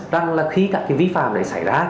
rằng là khi các vi phạm này xảy ra